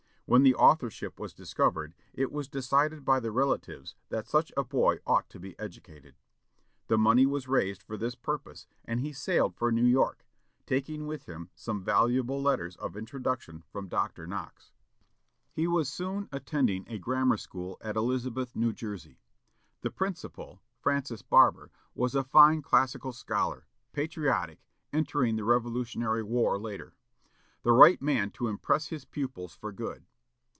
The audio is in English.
When the authorship was discovered, it was decided by the relatives that such a boy ought to be educated. The money was raised for this purpose, and he sailed for New York, taking with him some valuable letters of introduction from Dr. Knox. He was soon attending a grammar school at Elizabeth, New Jersey. The principal, Francis Barber, was a fine classical scholar, patriotic, entering the Revolutionary War later; the right man to impress his pupils for good.